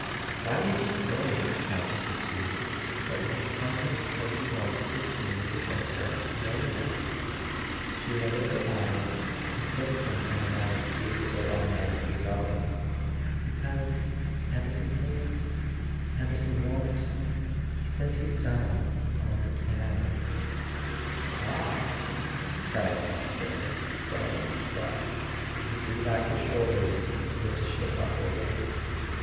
"Why did you say," Campton pursued, "that you had come here because you wanted to see me without Brant's knowing it ?" She lowered her eyes and fixed them on the knife he was still automatically rubbing. "Because Anderson thinks ... Anderson won't ... He says he's done all he can." ■[ 181 ] A SON AT THE FRONT "All " cried Campton, drawing a deep breath. He threw back his shoulders, as if to shake off a weight.